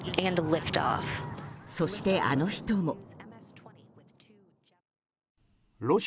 そして、あの人も。